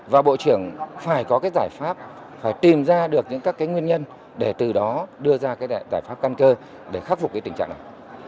và bộ trưởng phải có cái giải pháp phải tìm ra được những các cái nguyên nhân để từ đó đưa ra cái giải pháp căn cơ để khắc phục cái tình trạng này